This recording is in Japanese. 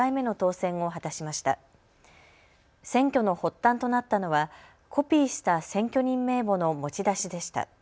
選挙の発端となったのはコピーした選挙人名簿の持ち出しでした。